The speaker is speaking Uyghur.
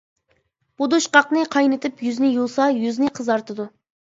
بۇدۇشقاقنى قاينىتىپ يۈزنى يۇسا، يۈزنى قىزارتىدۇ.